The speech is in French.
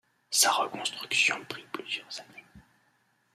Sa reconstruction prit plusieurs années.